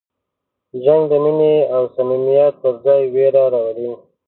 جنګ د مینې او صمیمیت پر ځای وېره راولي.